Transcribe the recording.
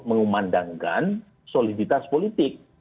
mengumandangkan soliditas politik